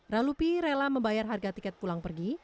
ralupi rela membayar harga tiket pulang pergi